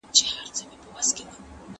¬ په بد زوى هر وخت پلار ښکنځلی وي.